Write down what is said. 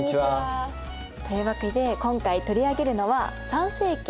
というわけで今回取り上げるのは３世紀。